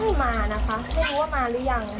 มานะคะไม่รู้ว่ามาหรือยัง